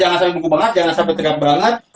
jangan sampai kumpuh banget jangan sampai tegap banget